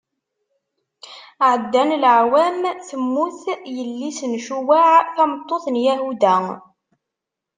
Ɛeddan leɛwam, temmut yelli-s n Cuwaɛ, tameṭṭut n Yahuda.